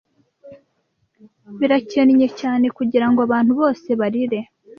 birakennye cyane kugirango abantu bose barire